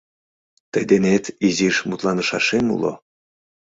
Тый денет изиш мутланышашем уло.